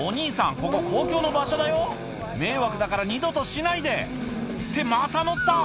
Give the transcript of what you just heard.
ここ公共の場所だよ迷惑だから二度としないでってまた乗った！